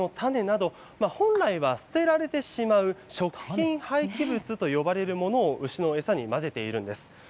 梅の種など、本来は捨てられてしまう食品廃棄物と呼ばれるものを牛の餌に混ぜているんです。